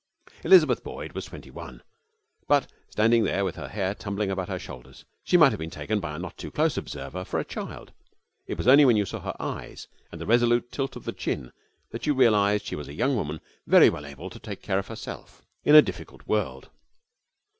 Elizabeth Boyd was twenty one, but standing there with her hair tumbling about her shoulders she might have been taken by a not too close observer for a child. It was only when you saw her eyes and the resolute tilt of the chin that you realized that she was a young woman very well able to take care of herself in a difficult world.